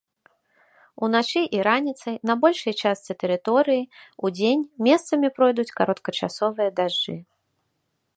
Уначы і раніцай на большай частцы тэрыторыі, удзень месцамі пройдуць кароткачасовыя дажджы.